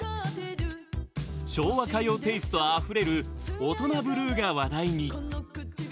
昭和歌謡テイストあふれる「オトナブルー」が話題に。